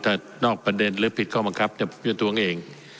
ถ้านอกประเด็นหรือผิดข้อมันครับอย่าประท้วงเอง